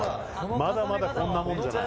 まだまだ、こんなもんじゃない。